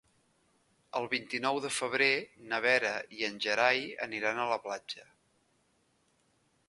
El vint-i-nou de febrer na Vera i en Gerai aniran a la platja.